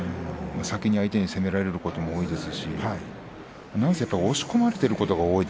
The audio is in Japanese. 先に相手に攻められることも多いですしなにせ、押し込まれることも多い